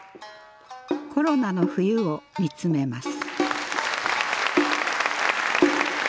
コロナの冬を見つめます。